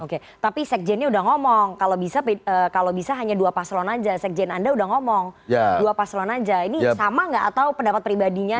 oke tapi sekjennya udah ngomong kalau bisa hanya dua paslon aja sekjen anda udah ngomong dua paslon aja ini sama nggak atau pendapat pribadinya